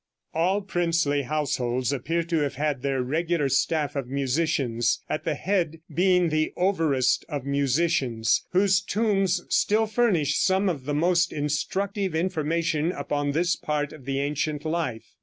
All princely households appear to have had their regular staff of musicians, at the head being the "Overest of Musicians," whose tombs still furnish some of the most instructive information upon this part of the ancient life.